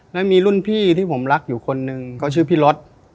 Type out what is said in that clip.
แล้วมีรุ่นพี่ที่ผมรักอยู่คนนึงเขาชื่อพี่รถ